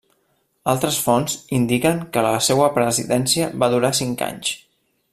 Altres fonts indiquen que la seua presidència va durar cinc anys.